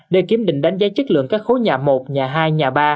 để kiểm định đánh giá chất lượng các khối nhà một nhà hai nhà ba